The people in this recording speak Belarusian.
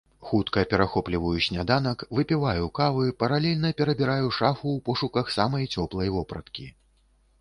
Хутка перахопліваю сняданак, выпіваю кавы, паралельна перабіраю шафу ў пошуках самай цёплай вопраткі.